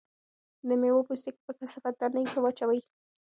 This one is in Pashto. د مېوو پوستکي په کثافاتدانۍ کې واچوئ.